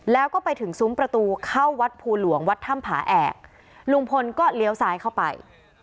แล้วก็ไปถึงซุ้มประตูเข้าวัดภูหลวงวัดถ้ำผาแอกลุงพลก็เลี้ยวซ้ายเข้าไป